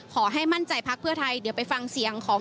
ขอให้มั่นใจพักเพื่อไทยเดี๋ยวไปฟังเสียงของ